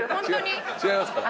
違いますから。